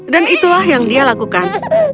dan itulah yang dia lakukan